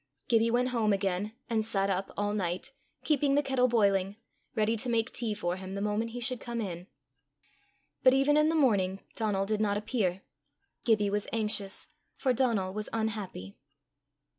Gibbie went home again, and sat up all night, keeping the kettle boiling, ready to make tea for him the moment he should come in. But even in the morning Donal did not appear. Gibbie was anxious for Donal was unhappy.